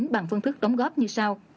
bằng phương thức đóng góp như sau